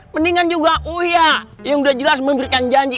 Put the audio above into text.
mendingan juga uya yang udah jelas memberikan janji